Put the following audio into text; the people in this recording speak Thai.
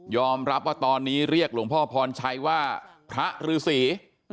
รับว่าตอนนี้เรียกหลวงพ่อพรชัยว่าพระฤษี